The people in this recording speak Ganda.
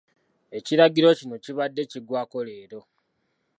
Ekiragiro kino kibadde kiggwaako leero.